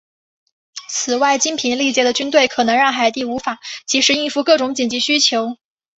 此外精疲力竭的军队可能让海地无法即时应付各种紧急需求。